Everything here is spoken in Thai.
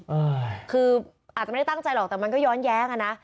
อ่าคืออาจจะไม่ได้ตั้งใจหรอกแต่มันก็ย้อนแย้งอ่ะนะ